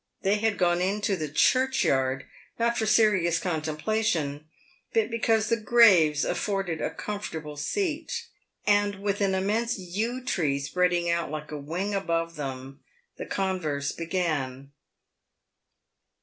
They had gone into the churchyard, not for serious contemplation, but because the graves afforded a comfortable seat. And with an immense yew tree spreading out like a wing above them, the converse began.